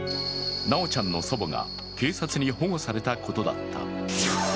修ちゃんの祖母が警察に保護されたことだった。